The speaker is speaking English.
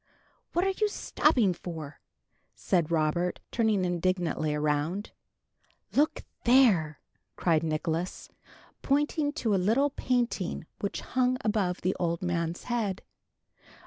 "What are you stopping for?" said Robert, turning indignantly around. "Look there!" cried Nicholas, pointing to a little painting which hung above the old man's head.